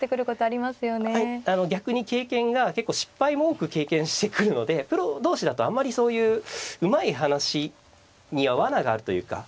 あの逆に経験が結構失敗も多く経験してくるのでプロ同士だとあんまりそういううまい話にはわながあるというか。